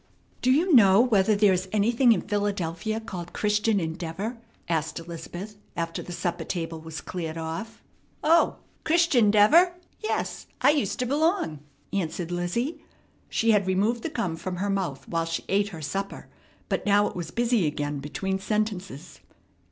"Do you know whether there is anything in Philadelphia called 'Christian Endeavor'?" asked Elizabeth after the supper table was cleared off. "O, Chrishun'deavor! Yes, I used t' b'long," answered Lizzie. She had removed the gum from her mouth while she ate her supper, but now it was busy again between sentences.